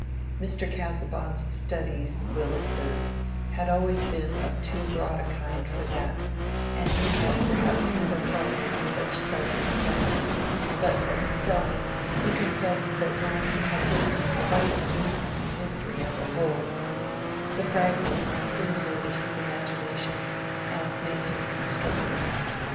Mr. Casaubon's studies, Will observed, had always been of too broad a kind for that, and he had perhaps never felt any such sudden effect, but for himself he confessed that Rome had given him quite a new sense of history as a whole: the fragments stimulated his imagination and made him constructive.